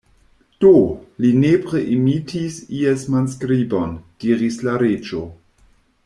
"Do, li nepre imitis ies manskribon," diris la Reĝo.